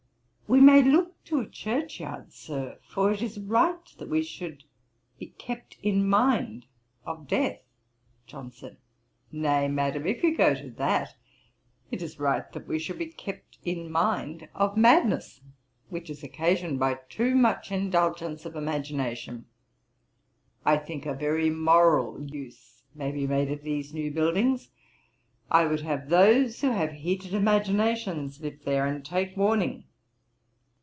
'We may look to a church yard, Sir; for it is right that we should be kept in mind of death.' JOHNSON. 'Nay, Madam, if you go to that, it is right that we should be kept in mind of madness, which is occasioned by too much indulgence of imagination. I think a very moral use may be made of these new buildings: I would have those who have heated imaginations live there, and take warning.'